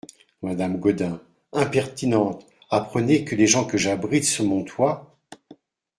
Madame Gaudin Impertinente ! apprenez que les gens que j'abrite sous mon toit …